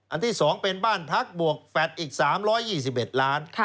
ที่๒เป็นบ้านพักบวกแฟลตอีก๓๒๑ล้าน